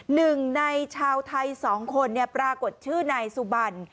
หนึ่งในชาวไทยสองคนปรากฏชื่อนายสุบัน